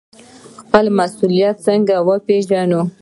خپل مسوولیت څنګه وپیژنو؟